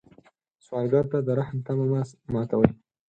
سوالګر ته د رحم تمه مه ماتوي